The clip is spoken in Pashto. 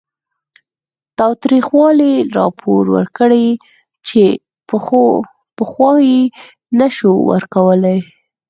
تاوتریخوالي راپور ورکړي چې پخوا یې نه شو ورکولی